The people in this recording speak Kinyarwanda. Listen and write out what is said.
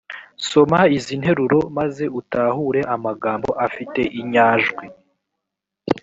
soma izi interuro maze utahure amagambo afite inyajwi